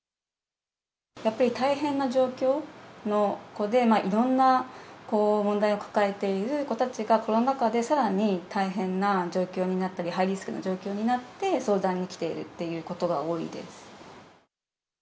やっぱり大変な状況の子で、いろんな問題を抱えている子たちが、コロナ禍でさらに大変な状況になったり、ハイリスクな状況になって相談に来ているっていうことが多いです。